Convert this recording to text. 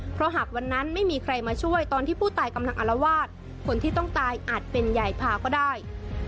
เพราะหากวันนั้นไม่มีใครมาช่วยตอนที่ผู้ตายกำลังอารวาสคนที่ต้องตายอาจเป็นยายพาก็ได้